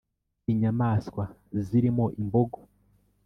Inyamaswa zirimo imbogo